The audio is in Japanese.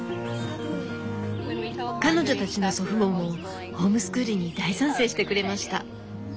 彼女たちの祖父母もホームスクールに大賛成してくれました。